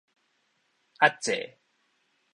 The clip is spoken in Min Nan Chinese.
遏制